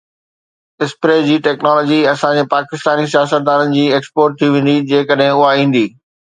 spray جي technology اسان جي پاڪستاني سياستدانن جي ايڪسپورٽ ٿي ويندي جيڪڏهن اها ايندي